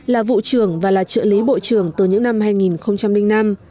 là vụ trưởng và là trợ lý bộ trưởng từ những năm hai nghìn năm